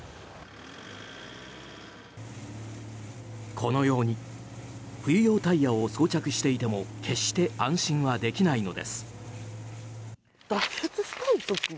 このように冬用タイヤを装着していても決して安心はできないのです。